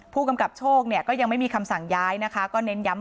ผู้กำกับโชคเนี่ยก็ยังไม่มีคำสั่งย้ายนะคะก็เน้นย้ำ